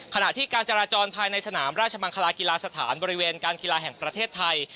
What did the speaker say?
ขณะที่การจราจรภายในสนามราชมังคลากีฬาสถานบริเวณการกีฬาแห่งประเทศไทย